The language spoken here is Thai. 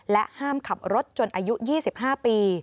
ห้ามขับรถจนอายุ๒๕ปี